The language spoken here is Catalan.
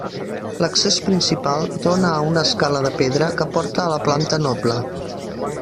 L'accés principal dóna a una escala de pedra que porta a la planta noble.